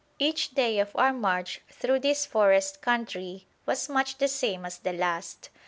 Each day of our march through this forest country was much the same as the last.